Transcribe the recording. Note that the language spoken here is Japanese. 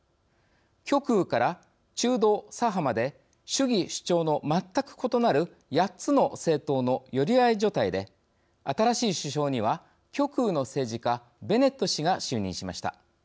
極右から中道、左派まで主義主張の全く異なる８つの政党の寄り合い所帯で新しい首相には極右の政治家ベネット氏が就任しました。